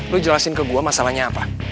lo jelasin ke gue masalahnya apa